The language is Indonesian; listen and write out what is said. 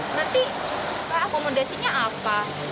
nanti akomodasinya apa